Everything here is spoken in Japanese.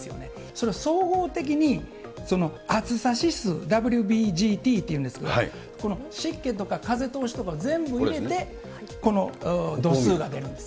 それを総合的に、暑さ指数、ＷＢＧＴっていうんですけど、この湿気とか風通しとかを全部入れて、この度数が出るんです。